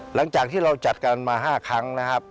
หลังจากที่เราจัดกันมา๕ครั้งนะครับ